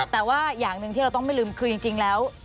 แต่ว่าอย่างหนึ่งที่เราต้องไม่ลืมคือจริงแล้ว